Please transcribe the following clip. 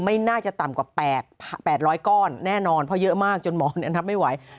ไม่น่าจะต่ำกว่า๘๐๐ก้อนแน่นอนเพราะเยอะมากจนหมอนับไม่ไหว